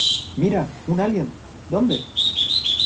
¡ Mira, un alien! ¿ dónde?